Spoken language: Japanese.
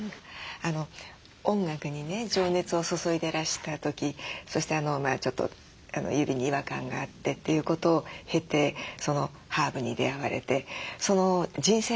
音楽にね情熱を注いでらした時そしてちょっと指に違和感があってということを経てハーブに出会われて人生観というのは変わられましたか？